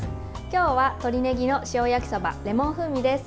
今日は、鶏ねぎの塩焼きそばレモン風味です。